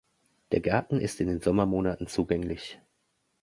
Der Garten ist in den Sommermonaten zugänglich.